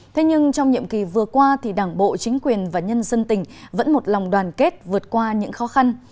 thế nhưng trong nhiệm kỳ vừa qua thì đảng bộ chính quyền và nhân dân tỉnh vẫn một lòng đoàn kết vượt qua những khó khăn